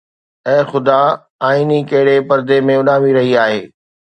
اي خدا، آئيني ڪهڙي پردي ۾ اڏامي رهي آهي؟